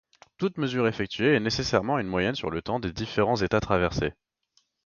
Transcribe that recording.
Toute mesure effectuée est nécessairement une moyenne sur le temps des différents états traversés.